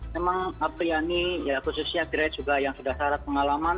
memang apri ini ya khususnya gresi juga yang sudah syarat pengalaman